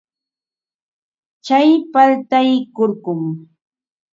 Tsay paltay kurkum.